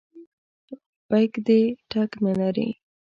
بیک دې ټک نه لري.